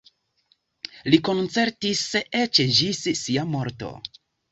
Li koncertis eĉ ĝis sia morto.